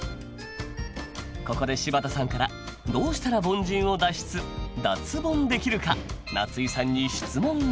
ここで柴田さんからどうしたら凡人を脱出脱ボンできるか夏井さんに質問が